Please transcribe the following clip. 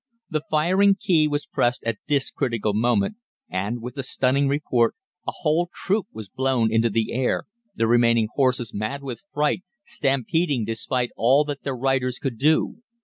The firing key was pressed at this critical moment, and, with a stunning report, a whole troop was blown into the air, the remaining horses, mad with fright, stampeding despite all that their riders could do.